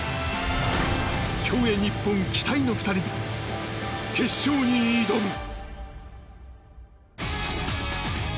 競泳日本期待の２人が決勝に挑む。